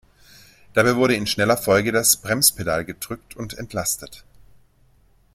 Dabei wurde in schneller Folge das Bremspedal gedrückt und entlastet.